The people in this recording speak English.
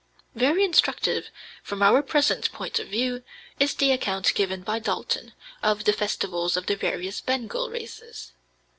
Very instructive, from our present point of view, is the account given by Dalton, of the festivals of the various Bengal races.